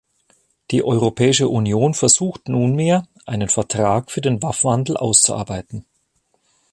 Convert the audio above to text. Die Europäische Union versucht nunmehr, einen Vertrag für den Waffenhandel auszuarbeiten.